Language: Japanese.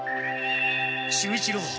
守一郎！